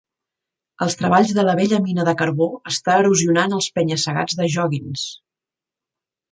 Els treballs de la vella mina de carbó està erosionant els penya-segats de Joggins.